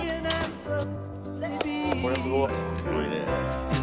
すごいね。